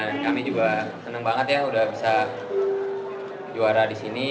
dan kami juga senang banget ya udah bisa juara di sini